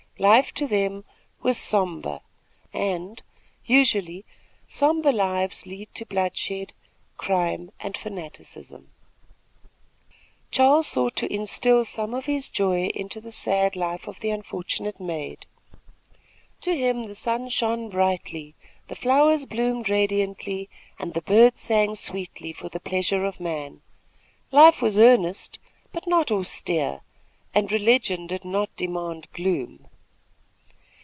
Life to them was sombre, and, usually, sombre lives lead to bloodshed, crime and fanaticism. Charles sought to instil some of his joy into the sad life of the unfortunate maid. To him the sun shone brightly, the flowers bloomed radiantly, and the birds sang sweetly for the pleasure of man. Life was earnest, but not austere, and religion did not demand gloom.